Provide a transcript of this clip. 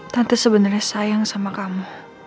tante sebenarnya sayang sama kamu